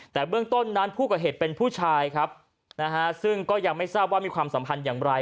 แต่เบื้องต้นนั้นผู้ก่อเหตุเป็นผู้ชายครับนะฮะซึ่งก็ยังไม่ทราบว่ามีความสัมพันธ์อย่างไร